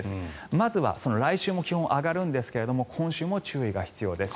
まずは来週も気温が上がるんですが今週も注意が必要です。